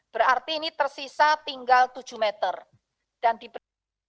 berarti ini tersisa tinggal tujuh meter